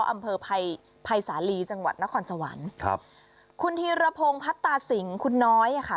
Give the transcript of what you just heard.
อำเภอภัยศาลีจังหวัดนครสวรรค์คุณธีรพงภัตตาสิงคุณน้อยค่ะ